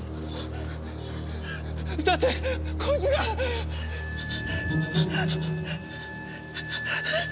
だってこいつが！あっ！？